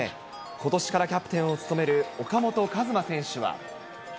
ことしからキャプテンを務める岡本和真選手は。